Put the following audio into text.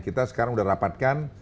kita sekarang udah rapatkan